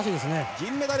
銀メダル